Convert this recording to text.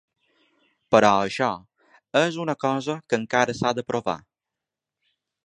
Però això és una cosa que encara s’ha de provar.